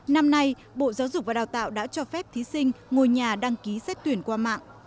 năm nay bộ giáo dục và đào tạo đã cho phép thí sinh ngồi nhà đăng ký xét tuyển qua mạng